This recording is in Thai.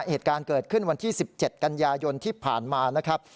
เหตุการณ์เกิดขึ้นวันที่๑๗กันยายนที่ผ่านมานะครับ